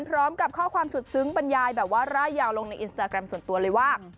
พร้อมกับข้อความสุดซึ้งบรรยายแบบว่าร่ายยาวลงในอินสตาแกรมส่วนตัวเลยว่า